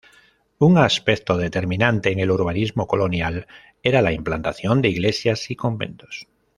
Un aspecto determinante en el urbanismo colonial era la implantación de iglesias y conventos.